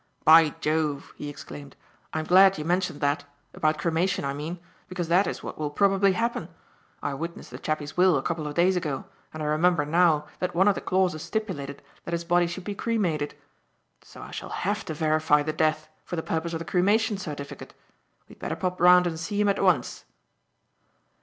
"By Jove!" he exclaimed, "I am glad you mentioned that about cremation, I mean, because that is what will probably happen. I witnessed the chappie's will a couple of days ago, and I remember now that one of the clauses stipulated that his body should be cremated. So I shall have to verify the death for the purpose of the cremation certificate. We'd better pop round and see him at once."